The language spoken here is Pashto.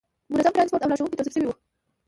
منظم ترانسپورت او لارښوونکي توظیف شوي وو.